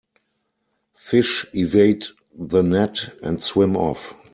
Fish evade the net and swim off.